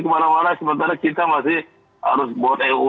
kemana mana sementara kita masih harus buat euu yang detail dulu